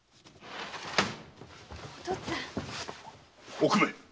おくめ！